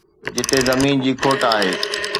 جتي زمين جي کوٽ آهي.